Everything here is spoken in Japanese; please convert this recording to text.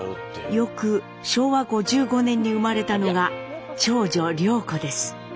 翌昭和５５年に生まれたのが長女涼子です。